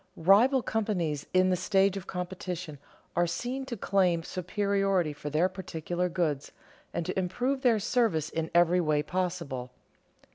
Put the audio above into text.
Rival companies in the stage of competition are seen to claim superiority for their particular goods and to improve their service in every way possible.